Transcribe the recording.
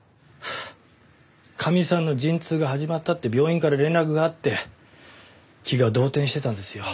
カミさんの陣痛が始まったって病院から連絡があって気が動転してたんですよ。